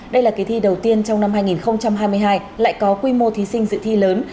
đây là kỳ thi đầu tiên trong năm hai nghìn hai mươi hai lại có quy mô thí sinh dự thi lớn